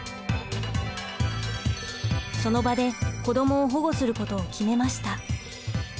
その場で子どもを保護することを決めました。